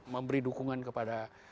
memberi dukungan kepada